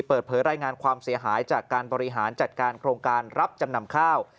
เปิดเผยรายงานความเสียหายจากการบริหารจัดการโครงการรับจำนำข้าว